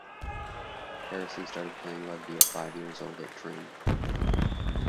Harrison started playing rugby at five years old at Tring.